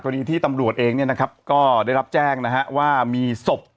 ตรงนี้ที่ตำรวจเองได้รับแจ้งว่ามีสพ